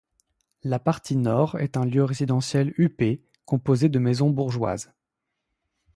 La partie nord est un lieu résidentiel huppé, composé de maisons bourgeoises.